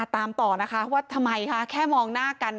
ตามต่อนะคะว่าทำไมคะแค่มองหน้ากัน